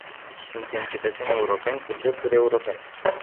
Suntem cetățeni europeni cu drepturi europene.